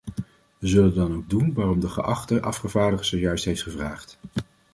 We zullen dan ook doen waarom de geachte afgevaardigde zojuist heeft gevraagd.